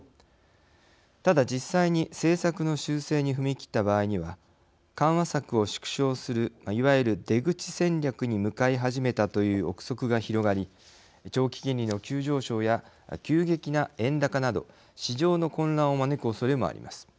ただ実際に、政策の修正に踏み切った場合には緩和策を縮小するいわゆる出口戦略に向かい始めたという臆測が広がり長期金利の急上昇や急激な円高など市場の混乱を招くおそれもあります。